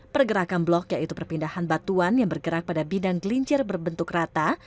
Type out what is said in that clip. pergerakan blok yaitu perpindahan batuan yang bergerak pada bidang gelincir berbentuk rata